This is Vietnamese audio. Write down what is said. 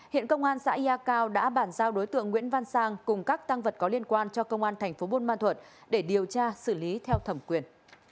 hiện công an xã yà cao đã bản giao đối tượng nguyễn văn sang cùng các tăng vật có liên quan cho công an thành phố bôn ma thuật để điều tra xử lý theo thẩm quyền